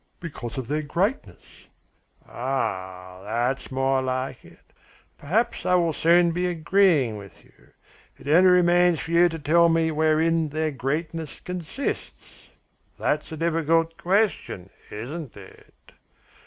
"Because of their greatness." "Ah, that's more like it. Perhaps I will soon be agreeing with you. It only remains for you to tell me wherein their greatness consists. That's a difficult question, isn't it?